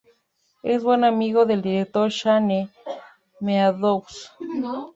Es buen amigo del director Shane Meadows.